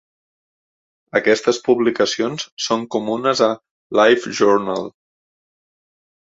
Aquestes publicacions són comunes a LiveJournal.